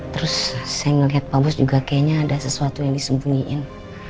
terus saya ngeliat pak bos juga kayaknya ada sesuatu yang disembunyiin